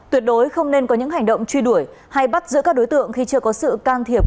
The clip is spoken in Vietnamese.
tuyệt đối không nên có những hành động truy đuổi hay bắt giữ các đối tượng khi chưa có sự can thiệp